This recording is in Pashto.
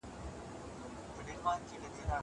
زه سينه سپين نه کوم.